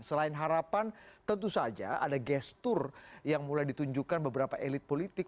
selain harapan tentu saja ada gestur yang mulai ditunjukkan beberapa elit politik